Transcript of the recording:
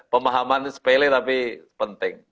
pemahaman sepele tapi penting